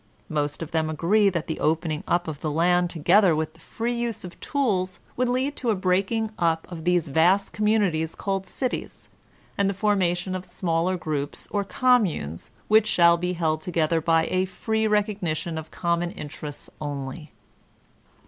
Most of them agree that the opening up of the land together with the free use of tools would lead to a breaking up of these vast com munities called cities, and the formation of smaller groups or communes which shall be held together by a free recognition of common interests only.